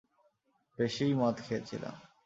বেশিই মদ খেয়েছিলাম।